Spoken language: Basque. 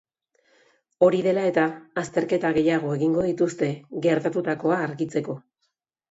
Hori dela eta, azterketa gehiago egingo dituzte gertatutakoa argitzeko.